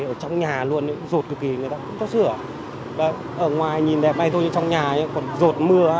ở trong nhà luôn rột cực kỳ người ta cũng có sửa ở ngoài nhìn đẹp hay thôi nhưng trong nhà còn rột mưa